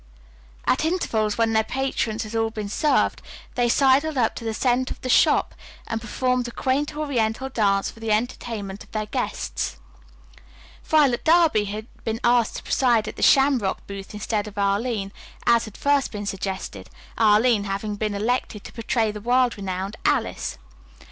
At intervals, when their patrons had all been served, they sidled up to the center of the shop and performed a quaint Oriental dance for the entertainment of their guests. [Illustration: The Emerson Twins Looked Realistically Japanese.] Violet Darby had been asked to preside at the Shamrock booth instead of Arline, as had first been suggested, Arline having been elected to portray the world renowned Alice.